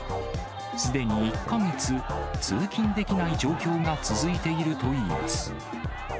すでに１か月、通勤できない状況が続いているといいます。